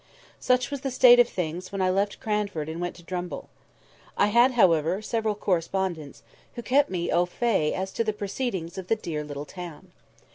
Such was the state of things when I left Cranford and went to Drumble. I had, however, several correspondents, who kept me au fait as to the proceedings of the dear little town.